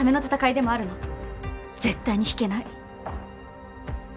絶対に引けない。